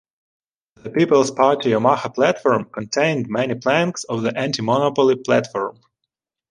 The People's Party's Omaha Platform contained many planks of the Anti-Monopoly platform.